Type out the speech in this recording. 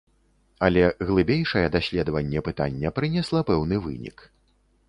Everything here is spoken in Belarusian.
Але глыбейшае даследаванне пытання прынесла пэўны вынік.